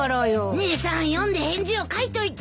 姉さん読んで返事を書いといて。